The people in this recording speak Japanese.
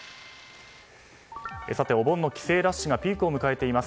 お盆の帰省ラッシュがピークを迎えています